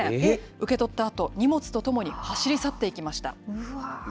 受け取ったあと、荷物と共に走り去っていきました。